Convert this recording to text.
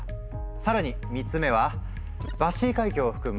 さらに３つ目はバシー海峡を含む南シナ海！